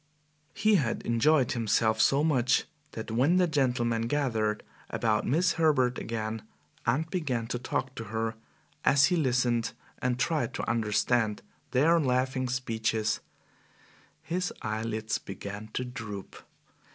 He had enjoyed himself so much that when the gentlemen gathered about Miss Herbert again and began to talk to her, as he listened and tried to understand their laughing speeches, his eyelids began to droop.